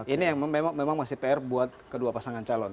ini memang masih pr buat kedua pasangan calon